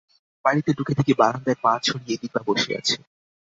বাড়িতে ঢুকে দেখি বারান্দায় পা ছড়িয়ে দিপা বসে আছে।